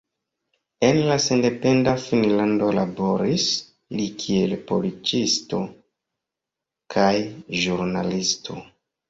En la sendependa Finnlando laboris li kiel policisto kaj ĵurnalisto.